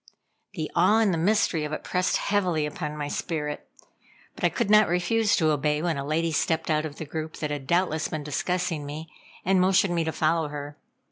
The awe and the mystery of it pressed heavily upon my spirit, but I could not refuse to obey when a lady stepped out of the group, that had doubtless been discussing me, and motioned me to follow her.